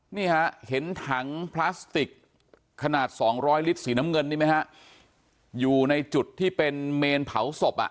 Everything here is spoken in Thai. นี่ฮะเห็นถังพลาสติกขนาดสองร้อยลิตรสีน้ำเงินนี่ไหมฮะอยู่ในจุดที่เป็นเมนเผาศพอ่ะ